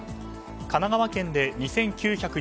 神奈川県で２９４２人